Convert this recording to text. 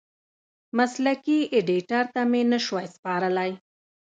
مسلکي ایډېټر ته مې نشوای سپارلی.